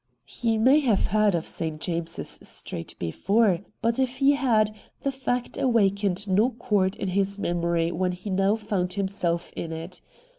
He may have heard of St. James's Street before, but if he had, the fact awakened no chord in his memory when he now found himself in it.